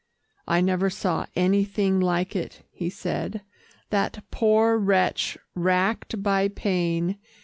"I never saw anything like it," he said, "that poor wretch racked by pain.